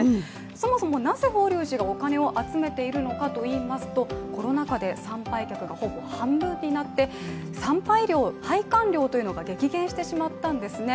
そもそもなぜ法隆寺がお金を集めているのかといいますとコロナ禍で参拝客がほぼ半分になって拝観料というのが激減してしまったんですね。